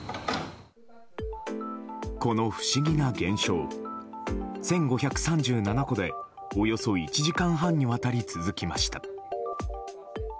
この不思議な現象１５３７戸でおよそ１時間半にわたり続きました。